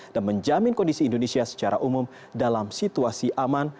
dan menjamin kondisi indonesia secara umum dalam situasi aman